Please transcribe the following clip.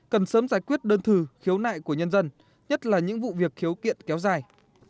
cần sớm giải quyết đơn thư khiếu nại của nhân dân nhất là những vụ việc khiếu kiện kéo dài